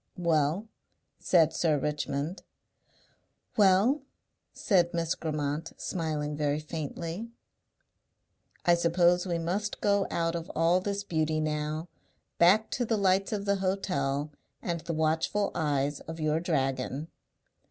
"Well?" said Sir Richmond. "Well?" said Miss Grammont smiling very faintly. "I suppose we must go out of all this beauty now, back to the lights of the hotel and the watchful eyes of your dragon."